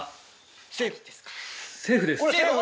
セーフですか？